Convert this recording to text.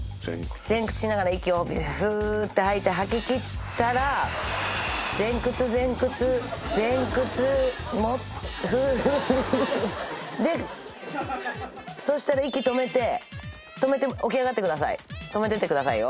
前屈しながら息をフーッて吐いて吐ききったら前屈前屈前屈もっフーッでそうしたら息止めて止めて起き上がってください止めててくださいよ